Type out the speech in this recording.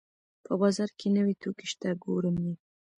په بازار کې نوې توکي شته ګورم یې